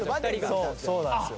そうなんですよ。